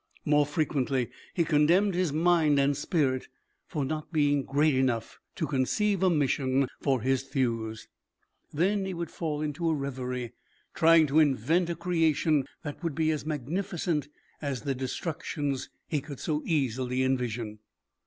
More frequently he condemned his mind and spirit for not being great enough to conceive a mission for his thews. Then he would fall into a reverie, trying to invent a creation that would be as magnificent as the destructions he could so easily envision.